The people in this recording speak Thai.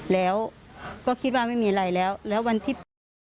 แล้วก็คิดว่าไม่มีอะไรแล้วแล้ววันที่๘